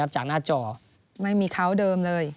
จากหน้าจอไม่มีเขาเดิมเลย